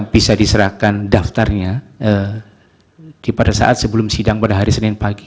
bisa diserahkan daftarnya pada saat sebelum sidang pada hari senin pagi